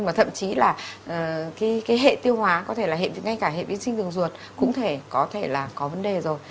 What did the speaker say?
và thậm chí là cái hệ tiêu hóa có thể là ngay cả hệ biến sinh đường ruột cũng có thể là có vấn đề rồi